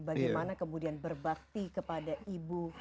bagaimana kemudian berbakti kepada ibu